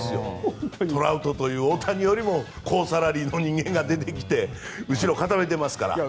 トラウトという大谷よりも高サラリーの人間が出てきて後ろ固めてますから。